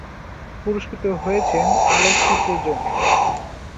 পুরস্কৃত হয়েছেন আলোকচিত্রের জন্যেও।